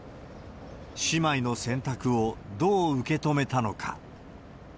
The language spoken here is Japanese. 姉妹の選択をどう受け止めたのか。